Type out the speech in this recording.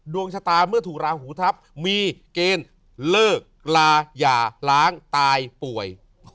ดวงชะตาเมื่อถูกราหูทัพมีเกณฑ์เลิกลาอย่าล้างตายป่วย